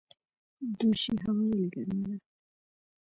دوشي هوا ولې ګرمه ده؟